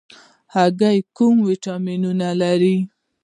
هګۍ کوم ویټامینونه لري؟